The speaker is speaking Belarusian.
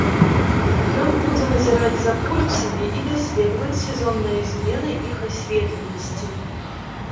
Ён будзе назіраць за полюсамі і даследаваць сезонныя змены іх асветленасці.